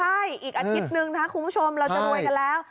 ใช่อีกอาทิตย์นึงนะคุณผู้ชมเราจะรวยกันแล้ว